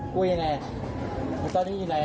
กลัวอย่างไรตอนนี้อยู่ไหน